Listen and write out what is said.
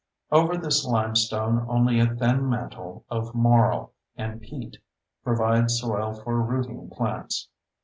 Over this limestone only a thin mantle of marl and peat provides soil for rooting plants.